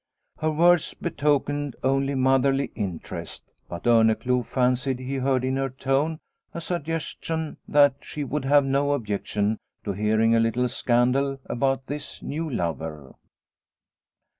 Her words betokened only motherly interest, but Orneclou fancied he heard in her tone a suggestion that she would have no objection to hearing a little scandal about this new lover.